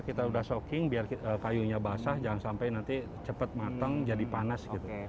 kita sudah shocking biar kayunya basah jangan sampai nanti cepat mateng jadi panas gitu